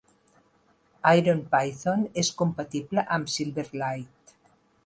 IronPython és compatible amb Silverlight.